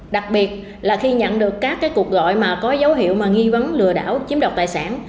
đặc biệt khi nhận được các cuộc gọi có dấu hiệu nghi vấn lừa đảo chiếm đoạt tài sản